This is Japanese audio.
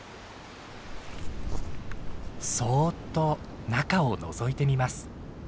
そっと中をのぞいてみます。